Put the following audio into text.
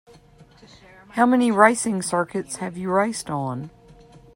How many racing circuits have you raced on?